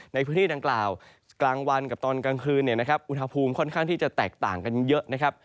ในพื้นที่ดังกล่าวกลางวันกับตอนกลางคืนเนี่ยนะครับอุณหภูมิค่อนข้างที่จะแตกต่างกันเยอะนะครับ